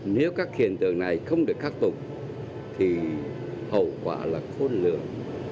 nếu các hiện tượng này không được khắc phục thì hậu quả là khôn lường